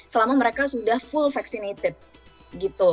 selama mereka sudah full vaccinated gitu